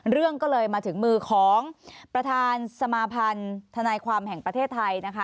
เรื่องก็เลยมาถึงมือของประธานสมาพันธนายความแห่งประเทศไทยนะคะ